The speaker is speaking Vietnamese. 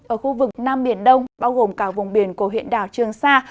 ở khu vực nam biển đông bao gồm cả vùng biển của huyện đảo trường sa